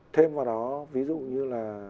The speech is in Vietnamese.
thêm vào đó ví dụ như là